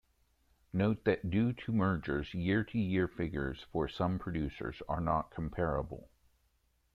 Note that due to mergers, year-to-year figures for some producers are not comparable.